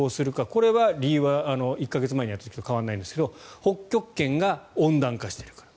これは理由は１か月前にやった時と変わらないんですが北極圏が温暖化しているから。